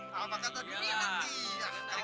kalau makanan ini nanti